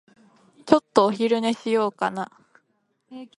ちょっとお昼寝しようかな。